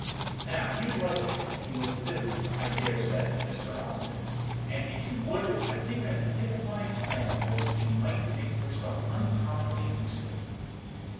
Now you'd like to help me in this business, I dare say, Mr. Austin; and if you would, I think I can hit upon a plan by which you might make yourself uncommonly useful.'